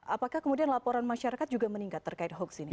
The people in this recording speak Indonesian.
apakah kemudian laporan masyarakat juga meningkat terkait hoax ini